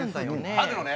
あるのね。